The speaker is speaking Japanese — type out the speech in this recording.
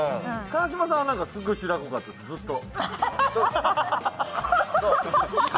川島さんは、すごいしらこかったです、ずっと。